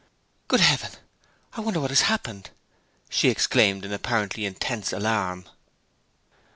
'Good Heaven! I wonder what has happened!' she exclaimed, in apparently intense alarm.